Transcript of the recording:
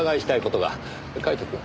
カイトくん。